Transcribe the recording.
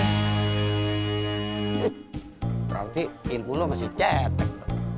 berarti ilmu lu masih cetek